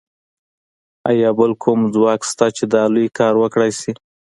ایا بل کوم ځواک شته چې دا لوی کار وکړای شي